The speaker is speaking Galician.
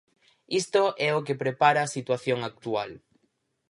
Isto é o que prepara a situación actual.